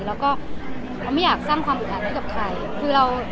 แล้วไม่อยากสร้างความอุปกรณ์ให้กับใคร